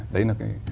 đấy là cái